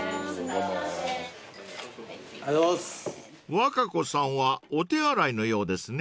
［和歌子さんはお手洗いのようですね］